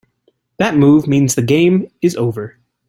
That move means the game is over.